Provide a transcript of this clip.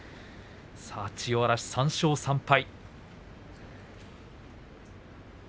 千代嵐、３勝３敗。